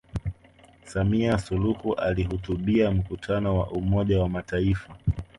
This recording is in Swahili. samia suluhu alihutubia mkutano wa umoja wa mataifa